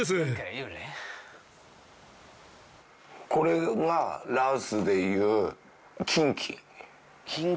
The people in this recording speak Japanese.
これが羅臼でいうキンキ。